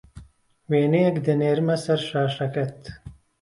وێنەیەک دەنێرمه سەر شاشەکەت